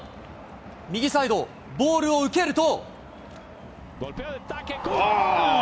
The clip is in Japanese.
右サイド、ボールを受けると。